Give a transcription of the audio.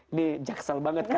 ini jaksal banget kan